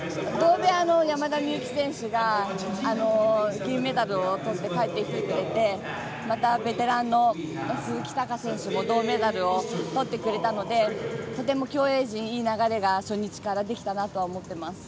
山田美幸選手が銀メダルをとって帰ってきてくれてまた、ベテランの鈴木孝幸選手も銅メダルをとってくれたのでとても競泳陣いい流れが初日からできたなと思ってます。